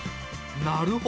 なるほど。